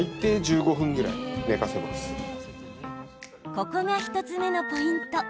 ここが１つ目のポイント。